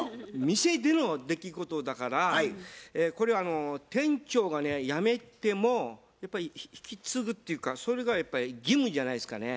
店での出来事だからこれは店長がね辞めてもやっぱり引き継ぐっていうかそれがやっぱり義務じゃないですかね。